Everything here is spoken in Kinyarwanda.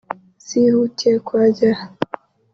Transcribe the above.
zihutiye kuhagera